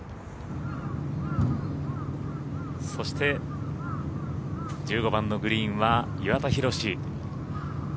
そして、１５番のグリーンは岩田寛。